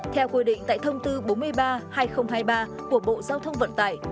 theo quy định tại thông tư bốn mươi ba hai nghìn hai mươi ba của bộ giao thông vận tải